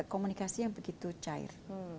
komunikasi yang begitu cair